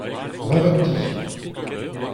Bravat ti !